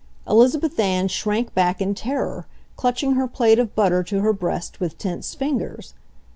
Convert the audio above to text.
Elizabeth Ann shrank back in terror, clutching her plate of butter to her breast with tense fingers.